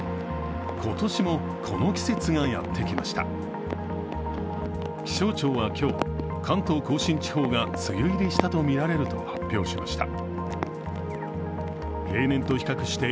今年も、この季節がやってきました気象庁は今日、関東甲信地方が梅雨入りしたとみられると発表しました。